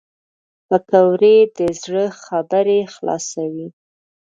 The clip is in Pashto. پکورې د زړه خبرې خلاصوي